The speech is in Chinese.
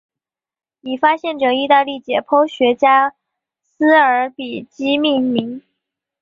以发现者意大利解剖学家马尔比基命名。